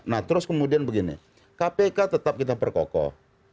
nah terus kemudian begini kpk tetap kita perkokoh